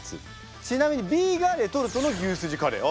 ちなみにＢがレトルトの牛すじカレー。